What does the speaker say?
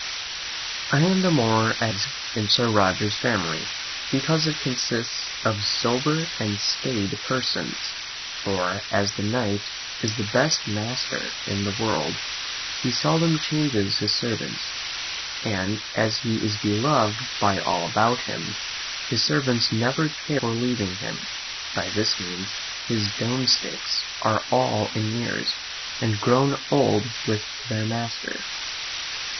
I am the more at ease in Sir Roger's family, because it consists of sober and staid persons; for as the Knight is the best master in the world, he seldom changes his servants; and as he is beloved by all about him, his servants never care for leaving him; by this means his domesticks are all in years, and grown old with their master.